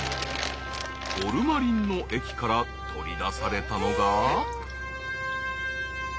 ホルマリンの液から取り出されたのが。